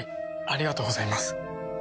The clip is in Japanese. ありがとうございます。